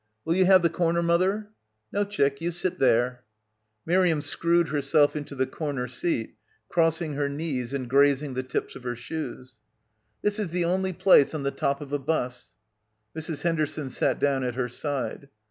Will you have the corner, mother?" "No, chick, you sit there." — 15 — PILGRIMAGE Miriam screwed herself into the comer seat, crossing her knees and grazing the tips of her shoes. "This is the only place on the top of a bus." Mrs. Henderson sat down at her side.